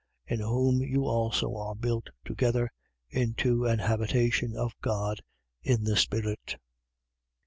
2:22. In whom you also are built together into an habitation of God in the Spirit.